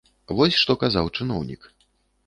Вось што казаў чыноўнік.